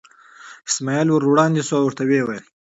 اسماعیل ور وړاندې شو او ورته یې وویل.